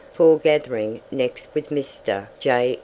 Foregathering next with Mr. J.